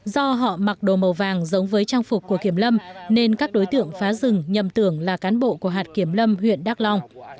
do họ mặc đồ màu vàng giống với trang phục của kiểm lâm nên các đối tượng phá rừng nhầm tưởng là cán bộ của hạt kiểm lâm huyện đắk long